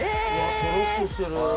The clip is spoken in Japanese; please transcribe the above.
トロッとしてる。